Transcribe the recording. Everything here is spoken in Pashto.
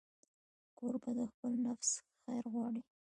کوربه د خپل نفس خیر غواړي.